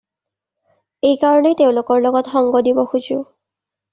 এই কাৰণেই তেওঁলোকৰ লগত সংগ দিব খোজোঁ।